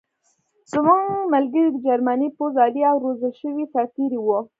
زموږ ملګري د جرمني پوځ عالي او روزل شوي سرتېري وو